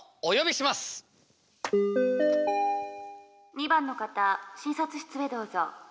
「２番の方診察室へどうぞ。」